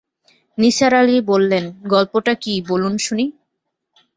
নিসার আলি বললেন, গল্পটা কী বলুন শুনি।